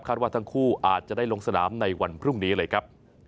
ว่าทั้งคู่อาจจะได้ลงสนามในวันพรุ่งนี้เลยครับ